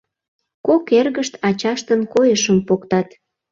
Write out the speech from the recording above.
Кок эргышт ачаштын койышым поктат.